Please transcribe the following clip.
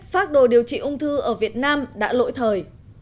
phác đồ điều trị ung thư ở việt nam đã lỗi thời